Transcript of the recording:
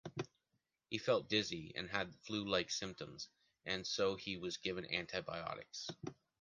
He felt dizzy and had flu-like symptoms, and so he was given antibiotics.